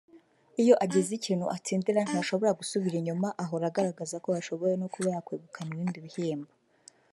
Iyo agize ikintu atsindira ntashobora gusubira inyuma ahora agaragaza ko ashoboye no kuba yakwegukana ibindi bihembo